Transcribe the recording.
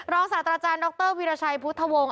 ศาสตราจารย์ดรวิราชัยพุทธวงศ์